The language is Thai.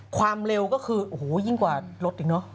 ความเร็วก็คือโอ้โหยิ่งกว่ารถอีกเนอะ